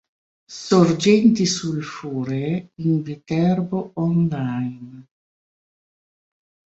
Sorgenti sulfuree in Viterbo online